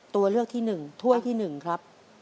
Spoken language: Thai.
ตัวเลือกที่หนึ่งถ้วยที่หนึ่งครับ